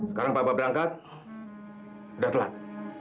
sekarang papa berangkat sudah telat